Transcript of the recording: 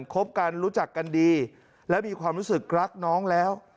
คบกันรู้จักกันดีและมีความรู้สึกรักน้องแล้ว